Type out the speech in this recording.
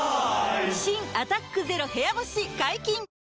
新「アタックＺＥＲＯ部屋干し」解禁‼